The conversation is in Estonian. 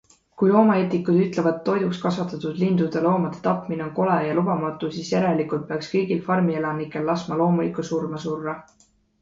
Kui loomaeetikud ütlevad, et toiduks kasvatatud lindude-loomade tapmine on kole ja lubamatu, siis järelikult peaks kõigil farmielanikel laskma loomulikku surma surra.